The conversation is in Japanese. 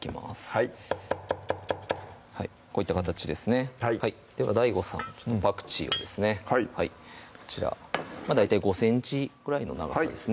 はいこういった形ですねではＤＡＩＧＯさんパクチーをですねこちら大体５ｃｍくらいの長さですね